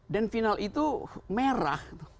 dan final itu merah